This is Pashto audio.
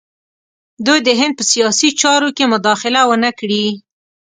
دوی د هند په سیاسي چارو کې مداخله ونه کړي.